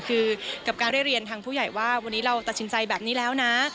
คือกับการได้เรียนทางผู้ใหญ่ว่าวันนี้เราตัดสินใจแบบนี้แล้วนะ